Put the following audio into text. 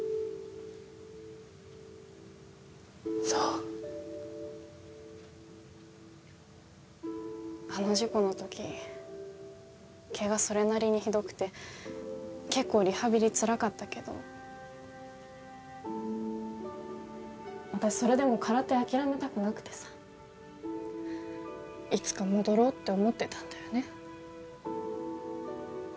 そうあの事故の時怪我それなりにひどくて結構リハビリつらかったけど私それでも空手諦めたくなくてさいつか戻ろうって思ってたんだよね